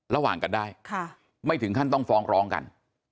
ระหว่างกันได้ไม่ถึงขั้นต้องฟ้องร้องกัน